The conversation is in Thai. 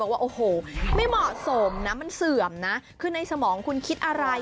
ว่าโอ้โหไม่เหมาะสมนะมันเสื่อมนะคือในสมองคุณคิดอะไร